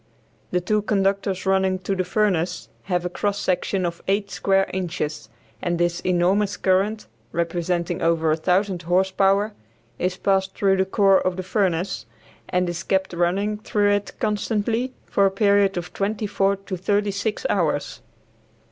The two conductors running to the furnace have a cross section of eight square inches, and this enormous current, representing over 1000 horse power, is passed through the core of the furnace, and is kept running through it constantly for a period of twenty four to thirty six hours.